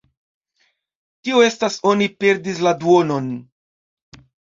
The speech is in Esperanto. Tio estas oni perdis la duonon.